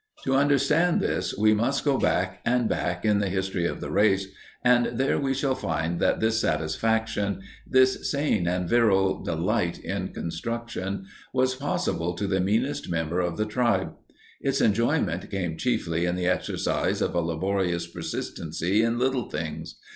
To understand this, we must go back and back in the history of the race, and there we shall find that this satisfaction, this sane and virile delight in construction, was possible to the meanest member of the tribe. Its enjoyment came chiefly in the exercise of a laborious persistency in little things.